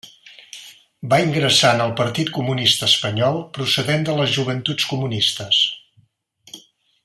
Va ingressar en el Partit Comunista Espanyol procedent de les Joventuts Comunistes.